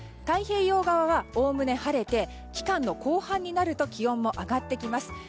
太平洋側はおおむね晴れて期間の後半になると気温も上がってきます。